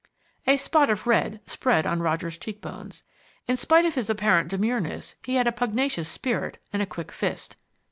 A spot of red spread on Roger's cheekbones. In spite of his apparent demureness he had a pugnacious spirit and a quick fist.